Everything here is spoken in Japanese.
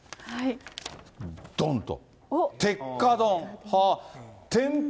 どんと。